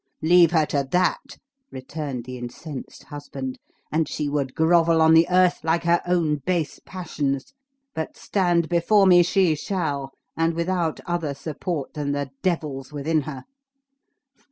"Leave her to that," returned the incensed husband, "and she would grovel on the earth like her own base passions. But stand before me she shall, and without other support than the devils within her."